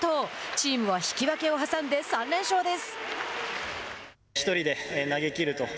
チームは引き分けを挟んで３連勝です。